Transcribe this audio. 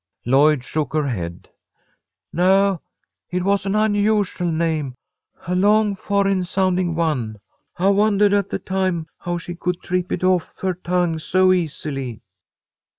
Lloyd shook her head. "No, it was an unusual name, a long foreign sounding one. I wondahed at the time how she could trip it off her tongue so easily."